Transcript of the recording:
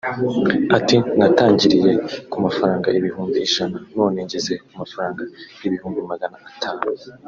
Ati “Natangiriye ku mafaranga ibihumbi ijana none ngeze ku mafaranga ibihumbi Magana atanu